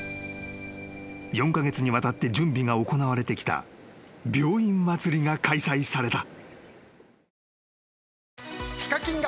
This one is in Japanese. ［４カ月にわたって準備が行われてきた病院まつりが開催された］